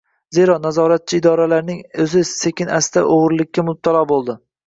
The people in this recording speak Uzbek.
Zero, nazoratchi idoralarning o‘zi sekin-asta o‘g‘rilikka mubtalo bo‘ldi.